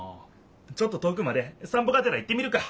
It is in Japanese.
ちょっと遠くまでさん歩がてら行ってみるか！